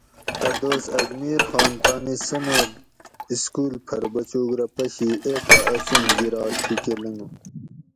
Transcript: ا دوس اجمیر خان تانی سمیٹ سکول پھر بچوگ رہ پشی ایڄہ آسوم گِرا شیکہ لنگو